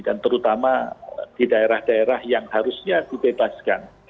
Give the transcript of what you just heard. dan terutama di daerah daerah yang harusnya dibebaskan